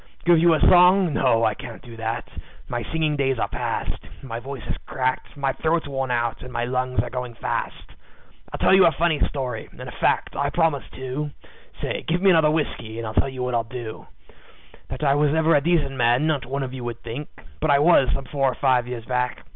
Give you a song? No, I can't do that; my singing days are past; My voice is cracked, my throat's worn out, and my lungs are going fast. "I'll tell you a funny story, and a fact, I promise, too. Say! Give me another whiskey, and I'll tell what I'll do That I was ever a decent man not one of you would think; But I was, some four or five years back.